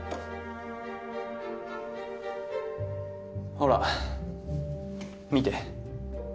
ほら見て。